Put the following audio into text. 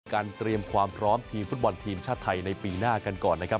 เตรียมความพร้อมทีมฟุตบอลทีมชาติไทยในปีหน้ากันก่อนนะครับ